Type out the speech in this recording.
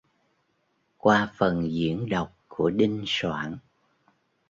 Qua phần diễn đọc của Đình Soạn